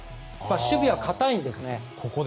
守備は堅いんですね。